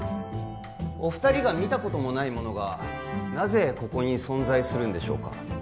お二人が見たこともないものがなぜここに存在するんでしょうか？